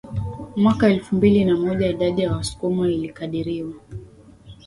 Mwaka elfu mbili na moja idadi ya Wasukuma ilikadiriwa